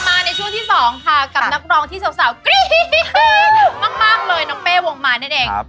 ในช่วงที่สองค่ะกับนักร้องที่สาวกรี๊ดมากเลยน้องเป้วงมานั่นเอง